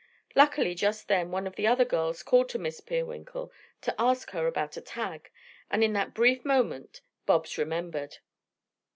Luckily just then one of the girls called to Miss Peerwinkle to ask her about a tag, and in that brief moment Bobs remembered.